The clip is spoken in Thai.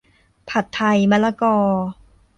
ผัดไทยมะละกอ